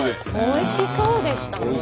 おいしそうでしたね。